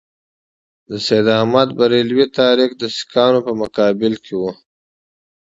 د سید احمدبرېلوي تحریک د سیکهانو په مقابل کې وو.